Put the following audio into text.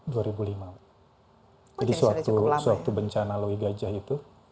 jadi suatu bencana louis gajah itu